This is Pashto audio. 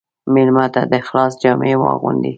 مېلمه ته د اخلاص جامې واغوندې.